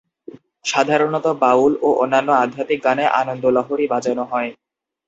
সাধারণত বাউল ও অন্যান্য আধ্যাত্মিক গানে আনন্দলহরী বাজানো হয়।